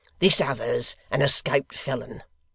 This other's an escaped felon.